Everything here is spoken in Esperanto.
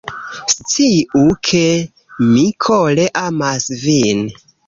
Sciu ke, mi kore amas vin